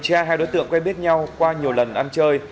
trà hai đối tượng quay biết nhau qua nhiều lần ăn chơi